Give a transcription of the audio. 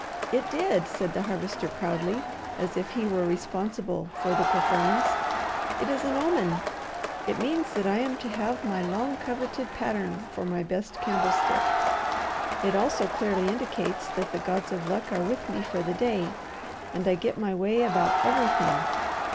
"It did!" said the Harvester proudly, as if he were responsible for the performance. "It is an omen! It means that I am to have my long coveted pattern for my best candlestick. It also clearly indicates that the gods of luck are with me for the day, and I get my way about everything.